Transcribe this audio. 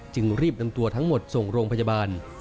จึงรีบทั้งตัวทั้งหมดส่งโรงพยาบาล